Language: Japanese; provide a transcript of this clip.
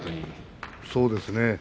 そうですね。